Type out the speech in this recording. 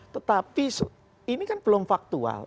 tetapi ini kan belum faktual